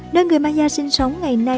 nơi người maya sinh sống ngày nay